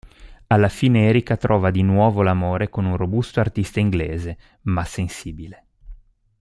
Alla fine Erica trova di nuovo l'amore con un robusto artista inglese, ma sensibile.